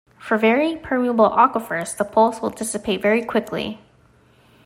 For very permeable aquifers, the pulse will dissipate very quickly.